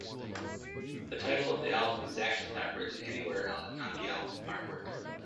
The title of the album is actually not written anywhere on the album artwork.